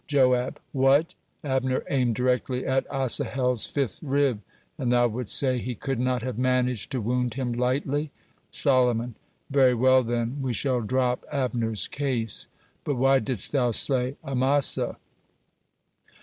Joab: "What! Abner aimed directly at Asahel's fifth rib, and thou wouldst say he could not have managed to wound him lightly?" Solomon: "Very well, then, we shall drop Abner's case. But why didst thou slay Amasa?"